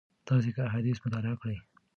تاسي که احاديث مطالعه کړئ